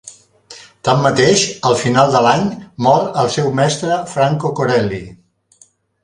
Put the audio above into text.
Tanmateix, al final de l'any, mor el seu mestre Franco Corelli.